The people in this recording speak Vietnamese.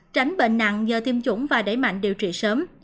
tránh bệnh nặng nhờ tiêm chủng và đẩy mạnh điều trị sớm